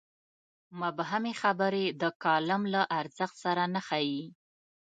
مبهمې خبرې د کالم له ارزښت سره نه ښايي.